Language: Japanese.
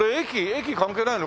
駅関係ないの？